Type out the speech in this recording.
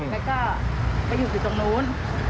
แล้วก็ก็อยู่อยู่ตรงนู้น